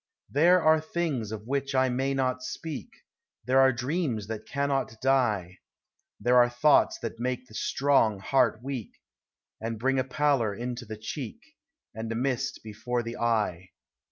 There are things of which I may not speak; There are dreams that cannot die; There are thoughts that make the strong heart weak, And bring a pallor into the cheek, And a mist before the eye.